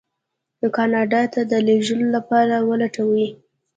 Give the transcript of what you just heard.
کاناډا ته د لېږلو لپاره ولټوي.